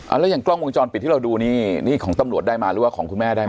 แล้วอย่างกล้องวงจรปิดที่เราดูนี่นี่ของตำรวจได้มาหรือว่าของคุณแม่ได้ไหม